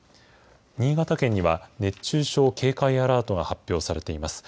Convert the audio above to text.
新潟県には、熱中症警戒アラートが発表されています。